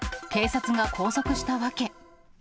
警察が拘束した訳。